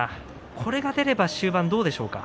これが出れば終盤どうですか。